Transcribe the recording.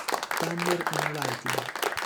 Thunder and Lightning